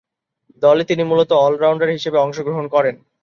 দলে তিনি মূলতঃ অল-রাউন্ডার হিসেবে অংশগ্রহণ করেন।